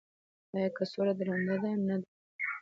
ایا کڅوړه یې درنده نه ده؟